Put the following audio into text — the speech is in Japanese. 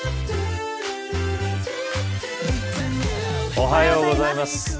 おはようございます。